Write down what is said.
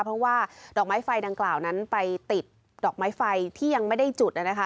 เพราะว่าดอกไม้ไฟดังกล่าวนั้นไปติดดอกไม้ไฟที่ยังไม่ได้จุดนะคะ